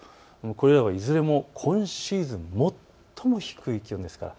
これらはいずれも今シーズン最も低い気温です。